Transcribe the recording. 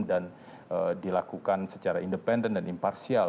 dan dilakukan secara independen dan imparsial